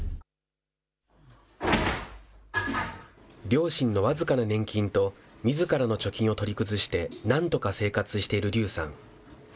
両親の僅かな年金と、みずからの貯金を取り崩して、なんとか生活している劉さん。